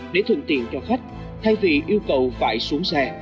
để thuận tiện cho khách thay vì yêu cầu phải xuống xe